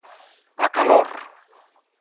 A calor.